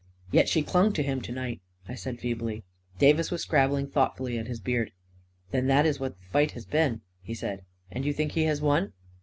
" Yet she clung to him to night," I said, feebly. Davis was scrabbling thoughtfully at his beard. " Then that is what the fight has been," he said. " And you think he has won?